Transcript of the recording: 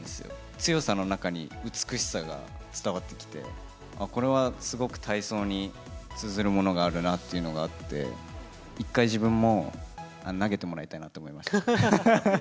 強さの中に美しさが伝わってきて、これはすごく体操に通ずるものがあるなっていうのがあって、１回自分も投げてもらいたいなと思いました。